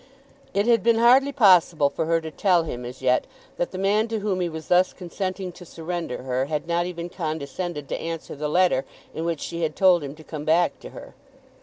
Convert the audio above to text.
It had been hardly possible for her to tell him as yet that the man to whom he was thus consenting to surrender her had not even condescended to answer the letter in which she had told him to come back to her.